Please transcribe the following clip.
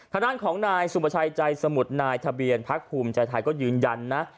ฐานของนายสูมสอบชายใจสมุดนายทะเบียนพลัคภูมิใจทายก็ยืนยันนะ